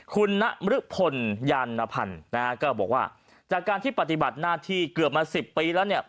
คุณนรพลยานพันธ์นะฮะก็บอกว่าจากการที่ปฏิบัติหน้าที่เกือบมา๑๐ปีแล้วเนี่ย